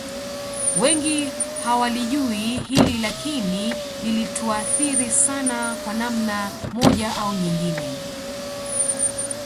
Wengi hawalijui hili lakini lilituathiri sana kwa namna moja au nyingine